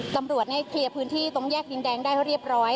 ตำรวจเคลียร์พื้นที่ตรงแยกดินแดงได้เรียบร้อย